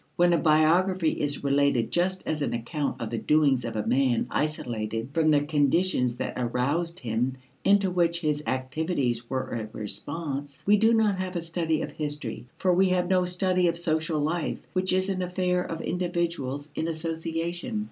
When a biography is related just as an account of the doings of a man isolated from the conditions that aroused him and to which his activities were a response, we do not have a study of history, for we have no study of social life, which is an affair of individuals in association.